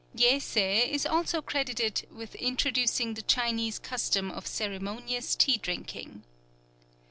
Yei Sei is also credited with introducing the Chinese custom of ceremonious tea drinking.